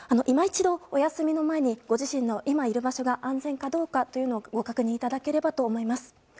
今一度、お休みの前にご自身の今いる場所が安全かどうかというのをご確認いただければと思います。